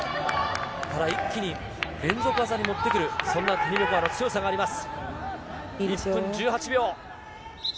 ただ、一気に連続技に持ってくるそんなティニベコワの強さがあります。